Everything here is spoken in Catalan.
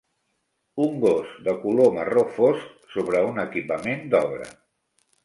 Un gos de color marró fosc sobre un equipament d'obra.